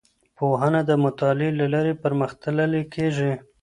پوهنه د مطالعې له لارې پرمختللې کیږي.